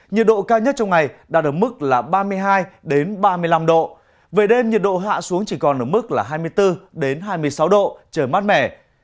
nhiệt độ cao nhất trong ngày đã được mức ba mươi hai ba mươi năm độ về đêm nhiệt độ hạ xuống chỉ còn mức hai mươi bốn hai mươi sáu độ trời mát mẻ